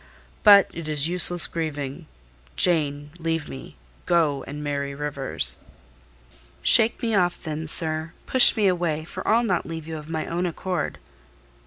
But it is useless grieving. Jane, leave me: go and marry Rivers." "Shake me off, then, sir,—push me away, for I'll not leave you of my own accord."